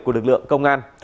của lực lượng công an